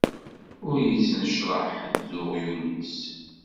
Ur yettnecṛaḥ ḥedd d uɣyul-is.